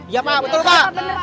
iya pak betul pak